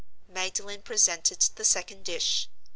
Magdalen presented the second dish.